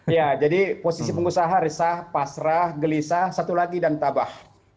ya jadi posisi pengusaha resah pasrah gelisah satu lagi dan tabah